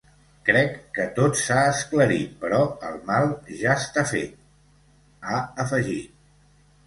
Crec que tot s’ha esclarit, però el mal ja està fet, ha afegit.